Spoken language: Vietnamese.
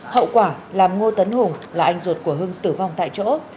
hậu quả làm ngô tấn hùng là anh ruột của hưng tử vong tại chỗ